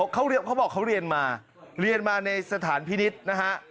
เขาบอกเขาเรียนมาเรียนมาในสถานพินิษฐ์นะฮะ